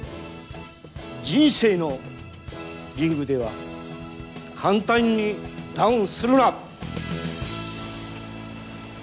人生のリングでは簡単にダウンするな。